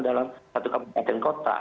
dalam satu kabupaten kota